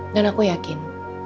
dan aku yakin